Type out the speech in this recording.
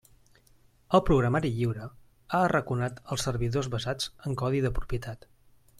El programari lliure ha arraconat els servidors basats en codi de propietat.